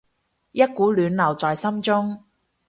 一股暖流在心中